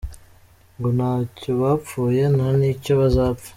Ngo ntacyo bapfuye nta n’ icyo bazapfa.